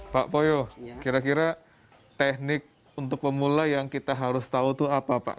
pak poyo kira kira teknik untuk pemula yang kita harus tahu itu apa pak